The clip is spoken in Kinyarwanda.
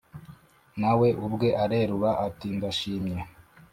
nawe ubwe arerura ati : ndashimye